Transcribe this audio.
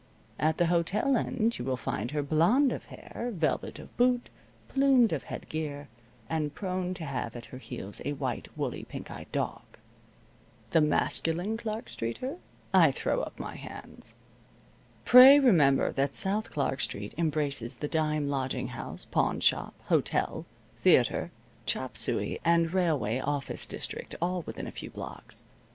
At the hotel end you will find her blonde of hair, velvet of boot, plumed of head gear, and prone to have at her heels a white, woolly, pink eyed dog. The masculine Clark Streeter? I throw up my hands. Pray remember that South Clark Street embraces the dime lodging house, pawnshop, hotel, theater, chop suey and railway office district, all within a few blocks.